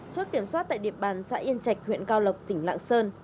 chốt kiểm soát tại địa bàn xã yên trạch huyện cao lộc tỉnh lạng sơn